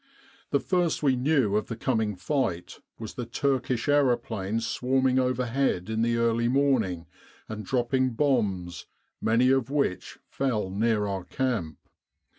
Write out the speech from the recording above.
The first we knew of the coming fight was the Turkish aero planes swarming overhead in the early morning and dropping bombs, many of which fell near our camp.